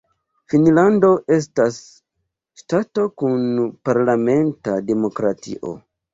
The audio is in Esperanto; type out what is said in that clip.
Finnlando estas ŝtato kun parlamenta demokratio.